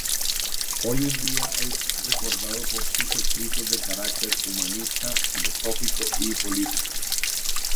Hoy en día es recordado por sus escritos de carácter humanista, filosófico y político.